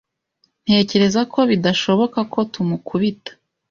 Ntekereza ko bidashoboka ko tumukubita.